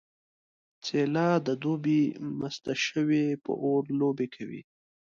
څیله د دوبي مسته شوې په اور لوبې کوي